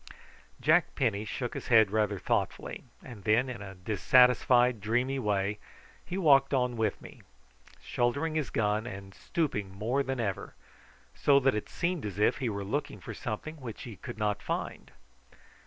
Jack Penny shook his head rather thoughtfully, and then, in a dissatisfied dreamy way, he walked on with me, shouldering his gun, and stooping more than ever, so that it seemed as if he were looking for something which he could not find.